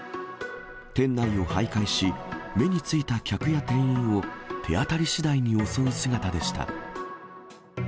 店内をはいかいし、目についた客や店員を、手当たりしだいに襲う姿でした。